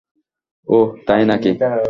ওহ, তাই নাকি।